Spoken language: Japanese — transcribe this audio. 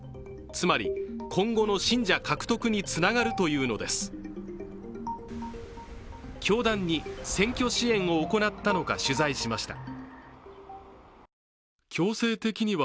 つまり今後の信者獲得につながるというのです教団に選挙支援を行ったのか取材しました。